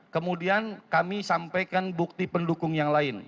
kemudian kami sampaikan bukti pendukung yang lain